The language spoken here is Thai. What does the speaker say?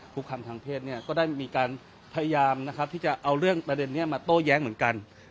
คุกคำทางเพศเนี่ยก็ได้มีการพยายามนะครับที่จะเอาเรื่องประเด็นนี้มาโต้แย้งเหมือนกัน